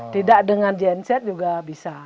tidak dengan genset juga bisa